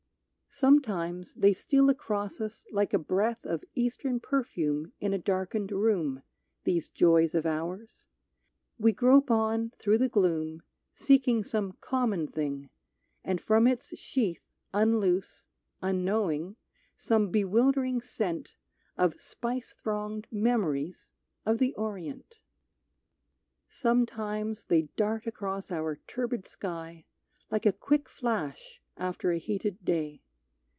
Sometimes they steal across us like a breath Of Eastern perfume in a darkened room, These joys of ours; we grope on through the gloom Seeking some common thing, and from its sheath Unloose, unknowing, some bewildering scent Of spice thronged memories of the Orient. Sometimes they dart across our turbid sky Like a quick flash after a heated day.